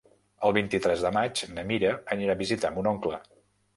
El vint-i-tres de maig na Mira anirà a visitar mon oncle.